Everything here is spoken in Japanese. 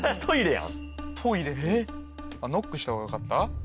ノックしたほうがよかった？